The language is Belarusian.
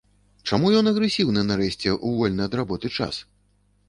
Чаму ён агрэсіўны, нарэшце, у вольны ад работы час?